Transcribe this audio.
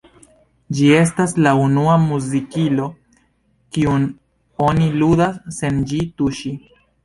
Ĝi estas la unua muzikilo, kiun oni ludas sen ĝin tuŝi.